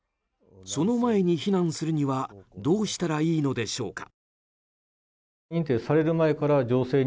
その前に避難するにはどうしたらいいのでしょうか。